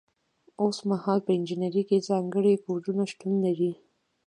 اوس مهال په انجنیری کې ځانګړي کوډونه شتون لري.